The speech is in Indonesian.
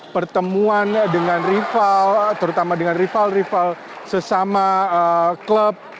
pertemuan dengan rival terutama dengan rival rival sesama klub